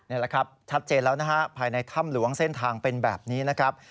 นี่แหละครับชัดเจนแล้วนะฮะภายในถ้ำหลวงเส้นทางเป็นแบบนี้นะครับ